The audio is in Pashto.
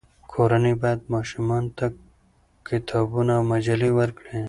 کورنۍ باید ماشومانو ته کتابونه او مجلې ورکړي.